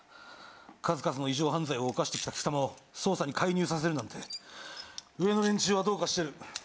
数々の異常犯罪を犯してきたきさまを捜査に介入させるなんて上の人たちはどうかしてる。